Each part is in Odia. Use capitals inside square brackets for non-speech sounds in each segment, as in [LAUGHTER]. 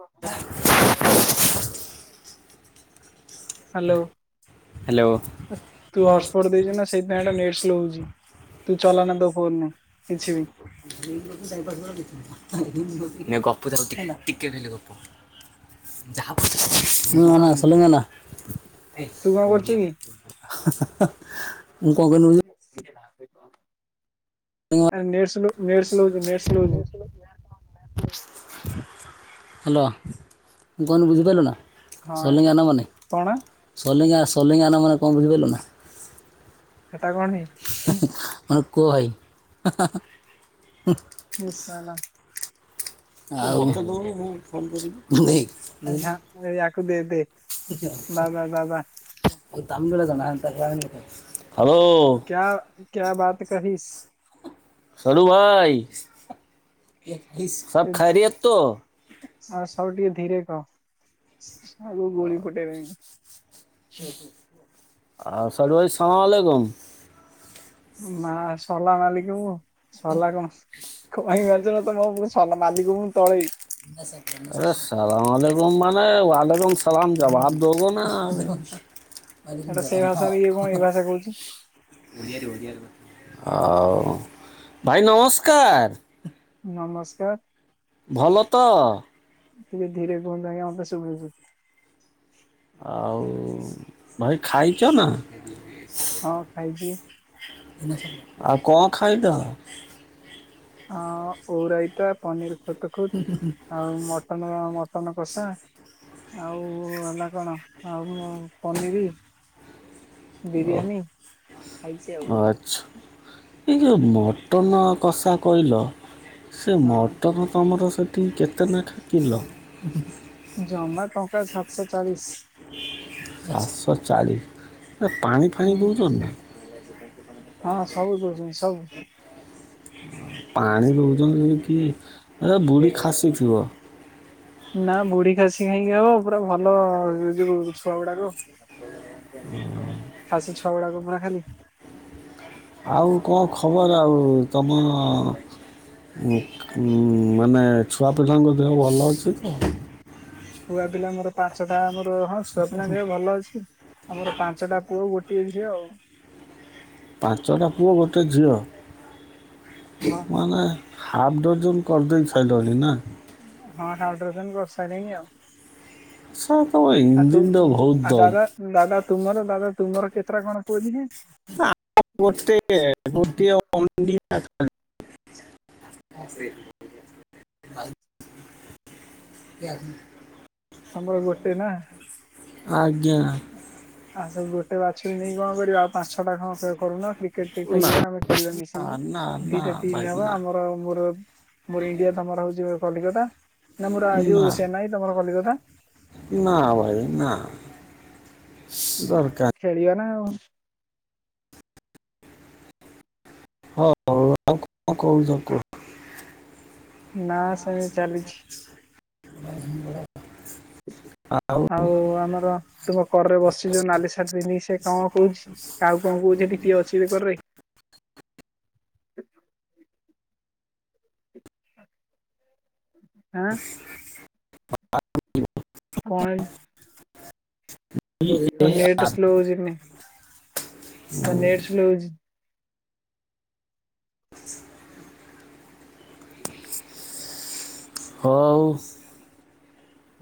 କଥା ହ୍ୟାଲୋ! ତୁ ହଟସ୍ପଟ ଦେଇଛୁ ନା! ସେଇଥିପାଇଁ ଏଟା ନେଟ୍ ସ୍ଲୋ ହଉଛି। ତୁ ଚଲାନା ତୋ ଫୋନରୁ କିଛି ବି! ନେ ଗପୁଥା ତୁ। [INAUDIBLE] ମୁଁ ତୁ କଣ କରୁଛୁ କି? କନ କହିନି ବୁଝି [UNINTELLIGIBLE] ଆ ନେଟ୍ ସ୍ଲୋ ନେଟ ସ୍ଲୋ ହଉଛି ନେଟ ସ୍ଲୋ ହଉଛି [INAUDIBLE] ହ୍ୟାଲୋ, କହିନୁ ବୁଝିପାରଲୁ ନା? ହଁ ଏଇତ ସୋଲେଙ୍ଗା ନମନୀ, କଣ ସୋଲେଙ୍ଗା-ସୋଲିଙ୍ଗା ଆନା ମାନେ କଣ ବୁଝିପରିଲୁନା? ସେଟା କଣ ହା, ହା, ହା, ହଁ ଆନେ କୋ ଭାଇ? ହା, ହା, ହା। ହେ ସାଲା! ଆଉ, ଆଛା ୟାକୁ ଦେ ଦେ ବା ବା ବା ଧିକ୍! ବା [INAUDIBLE] କ୍ୟା! କ୍ୟା ବାତ୍ କହିସ୍? ଶଡୁ ଭାଇ-ଇ ସବ୍ ଖାରିୟତ୍ ତୋ? ଆଉ ଶଡୁ ଟିକେ ଧୀରେ କହ। ଆଗକୁ ଗୁଳି ଫୁଟେଇ ବେଇଁ। ଆ ଶଡୁଭାଇ, ସମାମାଲେକୁମ୍। ମାଁ ସଲାମାଲିକୁମୁ। ସଲା କଣ [UNINTELLIGIBLE] ମାଲିକୁମୁ ତଳେଇ। ଆରେ ସଲାମଆଲିକୁମ୍ ମାନେ ୱାଲିକୁମ୍ ସଲାମ ଜବାଦ୍। [UNINTELLIGIBLE] [INAUDIBLE] ହଉଛି। ଆଉ, ଭାଇ ନମସ୍କାର! ନମସ୍କାର। ଭଲ ତ? ଟିକେ ଧୀରେ କୁହନ୍ତୁ ଆଜ୍ଞା, ମତେ ଶୁଭୁଚି। ଆଉ, ଭାଇ ଖାଇଚ ନା? ହଁ ଖାଇଚି। ଆଉ କଁଅ ଖାଇଲ? ଆଓ ଓଉରାଇତା, ପନିର ଖୁତୁଖୁତ, ଆଉ ମଟନ-ମଟନ କଷା। ଆଉ-ଉ ହେଲା କଣ, ଆଉ ପନିରି ଖାଇଛି ଆଉ। ଓ ଆଚ୍ଛା। ଏ ଯୋଉ ମଟନ କଷା କହିଲ, ସେ ହଁ ମଟନ ତମର ସେଠି କେତେ ନାଖା କିଲ? ଜମା ଟଙ୍କା ସାତଶ ସାତଶ ଚାଳି, ହେ ପାଣି ଫାଣି ଦେଉଛନ୍ତି ନା ହଁ ସବୁ, ସବୁଦଉଛନ୍ତି ସବୁ। ପାଣି ଦଉଛନ୍ତି କି, ଏ ବୁଢୀଖାସି ଥିବ। ନା, ବୁଢୀ ଖାସି କାଇଁକି ହବ, ପୁରା ଭଲ ଯୋଉ ଛୁଆଗୁଡାକ। ଖାସିଛୁଆ ଗୁଡାକ ପୁରା ଖାଲି। ଆଉ କଁ ଖବର, ଆଉ ତମ-ଅଁ ଉଁ ଉଁ ମାନେ, ଛୁଆ ପିଲାଙ୍କ ଦେହ ଭଲ ଅଛି ତ? ଛୁଆ ପିଲା ମୋର ପାଞ୍ଚଟା ମୋର। ହଁ ଛୁଆ ପିଲାଙ୍କ ଦେହ ଭଲ ଅଛି। ଆମର ପାଞ୍ଚଟା ପୁଅ, ଗୋଟିଏ ଝିଅ ଆଉ। ପାଞ୍ଚଟା ପୁଅ ଗୋଟେ ଝିଅ। ହଁ ମାନେ ହାଫ୍ ଡର୍ଜନ କରିଦେଇସାଇଲଣି ନା। ହଁ ହାଫ୍ ଡର୍ଜନ କରିସାରୁଲିଣିି ଆଉ। ସାର୍ ତମ ଆତୁ ଇଞ୍ଜିନ୍ର ବହୁତ ଆ ଦମ୍ ଦାଦା ଦାଦା ତୁମର ଦାଦା ତୁମର କେତେଟା କଣ ପୁଅ ଝିଅ? [UNINTELLIGIBLE] [INAUDIBLE] [UNINTELLIGIBLE] ତମର ଗୋଟେ ନା। ଆଜ୍ଞା ଆ ସେ ଗୋ ବାଛୁରୀ ନେଇକି କଣ କରିବ। ଆଉ ପାଞ୍ଚ ଛ ଟା କଣ କରୁନ କ୍ରିକେଟ ଟିମ ନା ପାଇବ, ଆମେ ଖେଳିବା ମିଶିକି। ନା ନା ଦିଟା ଭାଇ ଟିମ୍ ହବ। ନା ଆମର ମୋର ମୋର ଇଣ୍ଡିଆ ତମର ହଉଚି କଲିକତା। ନା ମୋର ନା ଯୋଉ ଚେନ୍ନାଇ ତମର କଲିକତା। ନା ଭାଇ ନା। ଦରକାର ଖେଳିବା ନା ଆଉ। [UNINTELLIGIBLE] ନା ସେମିତି ଚାଲିଚି। [INAUDIBLE] ଆଉ ଆମର ତୁମ କରରେ ବସି ଯୋଉ ନାଲି ସାର୍ଟ ପିନ୍ଧିକି ସେ କଣ କହୁଚି? କାହାକୁ କଣ କହୁଚି ହେଠି କିଏ ଅଛି କର ରେ? ଆଁ [UNINTELLIGIBLE] କଣ କଣ ନେଟ ସ୍ଲୋ ହଉଚି ନେ। ନେଟ ସ୍ଲୋ ହଉଚି। [INAUDIBLE] [INAUDIBLE] ହଉ।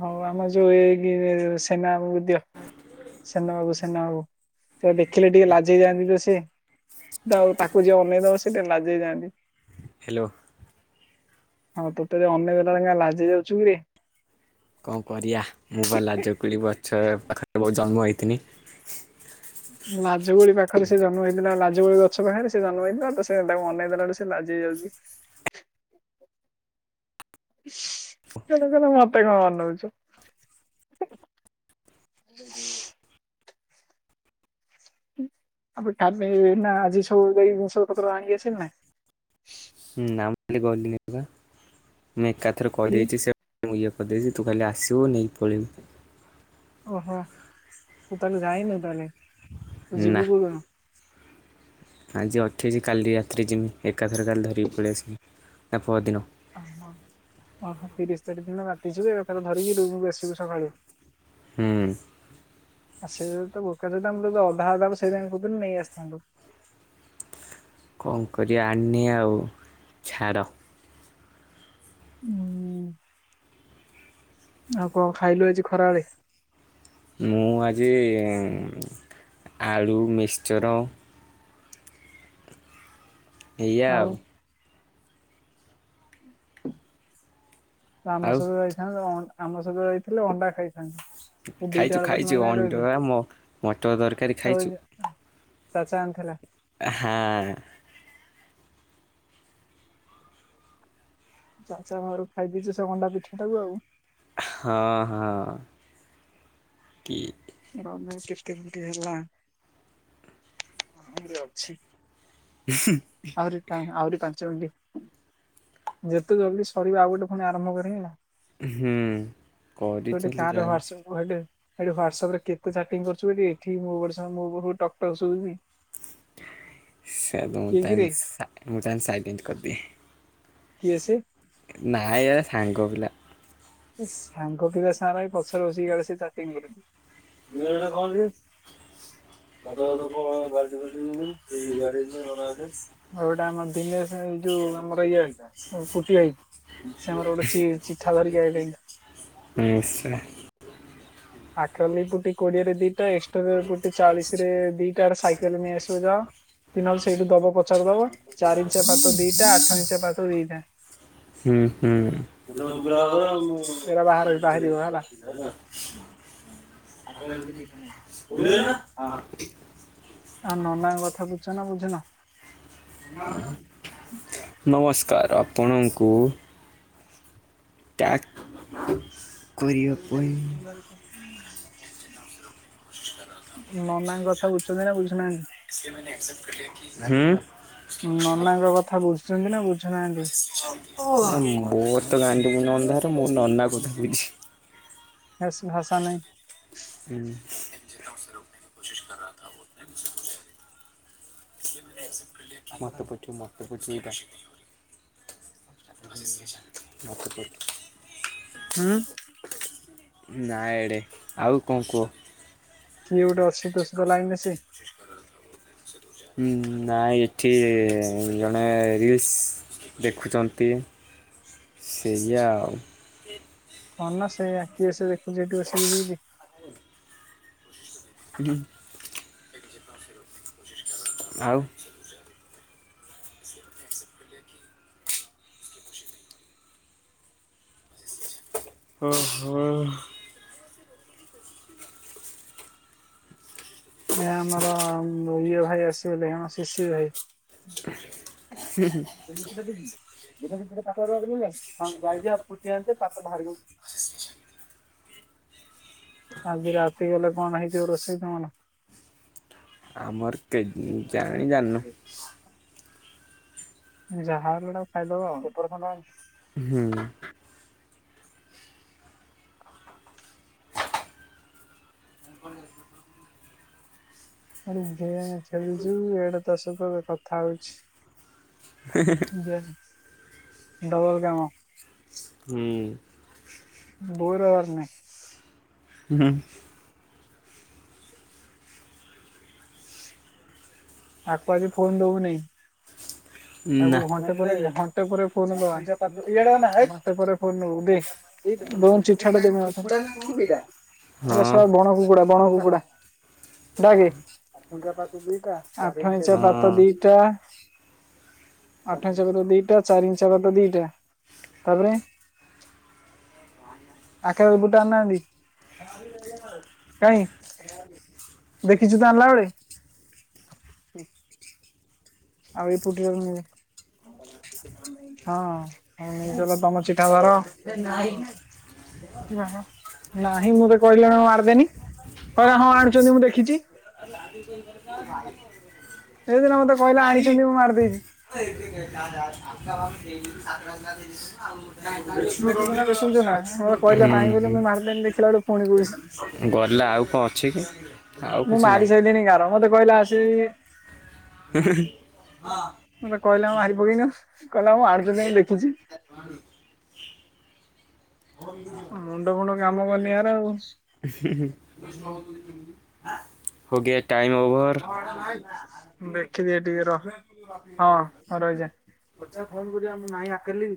ହଉ ଆମ ଯୋଉ। [UNINTELLIGIBLE] ସେନା ବାବୁ ସେନା ବାବୁ ସେ ଦେଖିଲେ ଟିକେ ଲାଜେଇ ଯାଆନ୍ତି ତ ସେ। ଆଉ ତାକୁ ଯିଏ ଅନେଇଦବ ସେ ଟିକେ ଲାଜେଇ ଯାଆନ୍ତି। ହ୍ୟାଲୋ ହଁ ତୋତେ ଯିଏ ଅନେଇ ଦେଲେ କାଇଁ ଲାଜେଇ ଯାଉଚୁ କିରେ। କଣ କରିବା ମୁଁ ପା ଲାଜ କୁଳି ଗଛର ପାଖରେ ମୁଁ ଜନ୍ମ ହୋଇଥିନି। ଲାଜୁକୁଳି ପାଖରେ ସେ ଜନ୍ମ ହେଇଥିଲା ଲାଜକୁଳି ଗଛ ପାଖରେ ସେ ଜନ୍ମ ହେଇଥିଲା ତ ସେ ତାକୁ ଅନେଇ ଦେଲାଠୁ ସେ ସେ ଲାଜେଇ ଯାଉଚି। [UNINTELLIGIBLE] ମତେ କଣ ଅନଉଚୁ। [INAUDIBLE] [UNINTELLIGIBLE] ଆଜି ସବୁ ଯାଇକି ଭୃସଙ୍ଗ ପତ୍ର ଆଣିକି ଆସିବେ ନା। [UNINTELLIGIBLE] ମୁଁ ଏକାଥରେ କି କହିଦେଇଚି ସେ ମୁଁ ଇଏ କରିଦେଇଚି ତୁ ଖାଲି ଆସିବୁ ନେଇକି ପଳେଇବୁ ଓହୋ ତୁ ତାହେଲେ ଯାଇନୁ ତାହେଲେ। ତୁ ନା ଯିବୁ କୋଉ ଦିନ? ଆଜି ଅଠେଇଶି କାଲି ରାତିରେ ଯିମି। ଏକାଥରେ କାଲି ଧରିକି ପଳେଇ ଆସିବି। ତା ପଅର ଦିନ। ଓହୋ ଓହୋ ତିରିଶ ତାରିଖ ଦିନ ରାତିଯିବୁ ଏକା ଥରେ ଧରିକିରୁମ୍ କୁ ଆସିବୁ ସକାଳୁ। ହୁଁ। ଆ ସେ ତ ବୋକା ଚୋଦା ଅଧା ଅଧା ମୁଁ ତାକୁ ସେଇଥିପାଇଁ କହୁଥିଲି ନେଇ ଆସିଥାନ୍ତୁ। କଣ କରିବା ଆଣିନି ଆଉ ଛାଡ। ହୁଁ। ଆଉ କଣ ଖାଇଲୁ ଆଜି ଖରାବେଳେ? ମୁଁ ଆଜି ଆଳୁ ମିକ୍ସଚର ଏଇଆ ଆଉ। ତୁ ତ ଆମ ଆଉ ସହିତ ଯାଇଥାନ୍ତୁ ଆମ ସହିତ ଯାଇଥିଲେ ଅଣ୍ଡା ଖାଇଥାନ୍ତୁ। ତୁ ଦିଟା ଖାଇଚୁ ବେଳେ ପର୍ଯ୍ୟନ୍ତ ଖାଇଚୁ ଯାଇ ଅଣ୍ଡା ରହିଲୁ ମଟର ତରକାରୀ ଆଉ ଖାଇଚୁ। ଏ- ଚାଚା ଆଣିଥିଲା। ଆ ହଁ। ଚାଚା ମୋର ଖାଇ ଦେଇଛି ସେ ଅଣ୍ଡା ପିଠା ଟାକୁ ଆଉ। ହଁ ହଁ। କି ର ମେ କେତେ ମିନିଟ୍ ହେଲା? ହୁଁ। ଆହୁରି ପା ଆହୁରି ପାଞ୍ଚ ମିନିଟ ଯେତେ ଜଲଦି ସରିବ ଆଉ ଗୋଟେ ଫୁଣି ଆରମ୍ଭ କରିଆ। ହୁଁ। କହିଲି କରିଥିଲି ତାର ଯାହା ମୁଁ ହ୍ବାଟସପ କୁ ଅଇଲେ। ଏଇଠି ହ୍ବାଟସପ ରେ କେତେ ଚାଟିଂ କରୁଚୁ ବେ କି ଏଠି ମୋ ହ୍ବାଟସପ ମୋ ପାଖୁକୁ ଟକ୍ ଟକ୍ ଶୁଭୁଚି। ସେ ମୁଁ କିଏ ତା କିରେ ସା ମୁଁ ତାକୁ ସାଇଲେଣ୍ଟ କିଏ କରିଦିଏ। ସେ ନାଇଁ ଏ ସାଙ୍ଗ ପିଲା। ସାଙ୍ଗ ପିଲା ସାଂରେ ଏଇ ପଛରେ ବସିକି କାଳେ ସିଏ ଚାଟିଂ କରୁଚି। ଭିଡିଓ ଟା କଲୁ ଦାଦା ଘରୁକୁ କହ ବାଲଟି ଫାଲଟି ନେବେନି ସେ [UNINTELLIGIBLE] ଘର ଆଡେ। ଆଉ ଏଇଟା ଆମ ଦିନେଶ୍ ଏଇ ଯୋଉ ଆମର ଇଏ ହଇକା ଉଁ ପୁଟି ଆଇ ସେ ଆମର ଗୋଟେ ଚି-ଚିଠା ଧରିକି ଆଇ ନିଶ୍ଚୟ। ଆଖଲି ପୁଟି କୋଡିଏରେ ଦିଟା ଏକ୍ସଟରର ପୁଟି ଚାଳିଶ ରେ ଦିଟା ଗୋଟେ ସାଇକେଲେ ନେଇ ଆସିବ ଯାଅ। ନହେଲେ ସେଇଠୁ ଦବ ପଚାରି ଦବ ଚାରି ଇଞ୍ଚିଆ ପାତ ଦିଟା ଆଠ ଇଞ୍ଚିଆ ପାତ ଦିଟା। ହୁଁ ହୁଁ। ଏରା ବାହାର ବାହାରିବ ହେଲା। ଆଗ ଏ ଗୋଟେ ଦେଖା [UNINTELLIGIBLE] ହଁ ଆଉ ନନାଙ୍କ କଥା ବୁଝୁଚ ନା ବୁଝୁନ? ନମସ୍କାର ଆପଣଙ୍କୁ ଟ୍ୟାକ୍ ନନାଙ୍କ କଥା ବୁ ଝୁଚନ୍ତି ନା ବୁଝୁ ନାହାନ୍ତି? ହୁଁ। ଉଁ ନନାଙ୍କ କଥା ବୁଝୁଚନ୍ତି ନା ବୁଝୁନାହାନ୍ତି? ମୋର ତ! ! ! ! ! ! ! ! ! ! ମୁଣ୍ଡ ଅନ୍ଧାର ମୁଁ ନନା କଥା ବୁଝି ଏସ୍ ଭାଷା ନାହିଁ। [UNINTELLIGIBLE] ମତେ ପଠେଇବୁ ମତେ ପଠେଇ [UNINTELLIGIBLE] ମତେ [UNINTELLIGIBLE] ହୁଁ। ନାଇଁ ଆଡେ ଆଉ କଣ କୁହ। କିଏ ଗୋଟେ ଅଛି ତୋ ସହିତ ଲାଇନ ରେ ସିଏ? ଉଁ ନାଇଁ ଏଠି ଜଣେ ରୀଲସ୍ ଦେଖୁଚନ୍ତି ସେଇ ଆଉ। କଣ ନା ସେ କିଏସେ ଦେଖୁଚି ଏଠି ବସିକି ରିଲ୍? ଆଜ୍ଞା। [INAUDIBLE] ଆଉ ଓହୋ। ଏ ଆମର ଉଁ ଇଏ ଭାଇ ଆସିଗଲେ ଆମ ଶିଶିର୍ ଭାଇ। ହୁଁ ହୁଁ। ତେ ଦେଖିତେ ଦେବି [UNINTELLIGIBLE] ହଁ ଜଲ୍ଦି ଆଉ ପୁଟି ଆଣିତେ ତାପରେ ବାହାରିଲୁ। ଆଜି ରାତି ଗଲେ କଣ ହେଇଥିବ ରୋଷେଇ ତମର? ଆମର କେ ଉ ଜାଣି ଜାଣିନୁ। ହ ଯାହାଲେ ଗୋଟେ ଆ ଖାଇଦବ ଆଉ। ହୁଁ। ଆଡେ ଗେମ୍ ଖେଳୁଚୁ ଏଡେ ତୋ ସହିତ କଥା ହଉଚି। [INAUDIBLE] [UNINTELLIGIBLE] ଡବଲ କାମ। ହୁଁ। ବୋର ହବାର ନାଇଁ। ହୁଁ। ତାକୁ ଆଜି ଫୋନ ଦବୁନେଇ ତାକୁ ନା ଘଣ୍ଟେ ପରେ ଘଣ୍ଟେ ପରେ ଫୋନ ଦବା। [UNINTELLIGIBLE] ହଁ ଆବେ ଶଳା ବଣ କୁକୁଡା ବଣ କୁକୁଡା ଡାକେ। ଆଠ ଇଞ୍ଚା ପାତ ହଁ ଦିଟା। ଆଠ ଇଞ୍ଚା ପାତ ଦିଟା ଚାରି ଇଞ୍ଚା ପାତ ଦିଟା। ତାପରେ ଆ କା କୁରକୁରି ଟା ଆଣିନାହାନ୍ତି। କାହିଁ ଦେଖିଚୁ ତ ଆଣିଲା ବେଳେ। ହୁଁ। ଆଉ ଏଇ ପୁଟରୁ ହଁ ହଁ ନେଇଚାଲ ତମ ଚିଠା ଧର। ଆହ ନାହିଁ ମତେ କହିଲୁଣି ମାର ଦେନି କହିଲା ହଁ ଆଣିଚନ୍ତି ମୁଁ ଦେଖିଚି। ଦେଖିଲୁ ନା ମତେ କହିଲା ଆଣିଚନ୍ତି ମୁଁ ମାରିଦେଇଚି। [UNINTELLIGIBLE] ଦେଖୁଛୁ ନା [UNINTELLIGIBLE] ଶୁଣୁଛୁ ନା ମତେ କହିଲା ନାହିଁ ବୋଲି ମୁଁ ମାରିଦେନି ଦେଖିଲା ବେଳୁ [UNINTELLIGIBLE] ପୁଣି କହୁଛି ଗଲା ଆଉ କଣ ଅଛି କି? ଆଉ ମୁଁ କିଛି ନାହିଁ ମାରି ସାଇଲିନି ଗାର ମତେ କହିଲା ସେ [INAUDIBLE] ମତେ କହିଲା ମୁଁ ମାରି ପକେଇନୁ କହିଲା ହଁ ଆଣିଛନ୍ତି ମୁଁ ଦେଖିଚି। ମୁଣ୍ଡ ଫୁଣ୍ଡ କାମ କରୁନି ୟାର ଆଉ। [INAUDIBLE] ହୋଗୟା ଟାଇମ୍ ଓଭର। ଦେଖିଦିଏ ଟିକେ ରହ। [UNINTELLIGIBLE] ଏ ଆମ ନାହିଁ ଆକାଲି